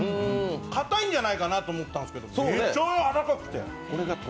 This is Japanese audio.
かたいんじゃないかなって思ったんですけど、ちょうどやわらかくて。